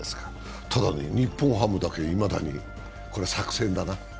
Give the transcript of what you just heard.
ただ、日本ハムだけいまだにこれは作戦だな。